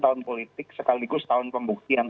tahun politik sekaligus tahun pembuktian